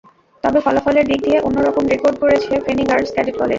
তবে ফলাফলের দিক দিয়ে অন্য রকম রেকর্ড গড়েছে ফেনী গার্লস ক্যাডেট কলেজ।